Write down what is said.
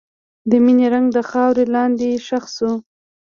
د مینې رنګ د خاورې لاندې ښخ شو.